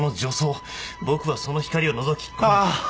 僕はその光をのぞき込み」ああー！